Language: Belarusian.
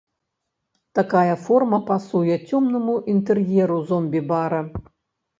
Такая форма пасуе цёмнаму інтэр'еру зомбі-бара.